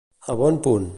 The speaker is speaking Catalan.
A bon punt.